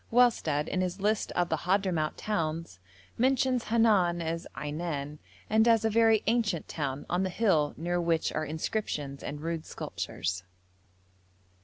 Wellsted, in his list of the Hadhramout towns, mentions Henan as Ainan, and as a very ancient town, on the hill near which are inscriptions and rude sculptures.